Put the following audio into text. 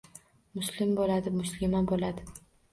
Muslim bo‘ladi! Muslima bo‘ladi!